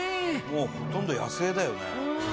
もうほとんど野生だよね